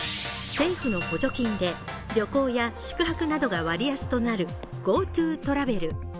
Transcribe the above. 政府の補助金で旅行や宿泊などが割安となるＧｏＴｏトラベル。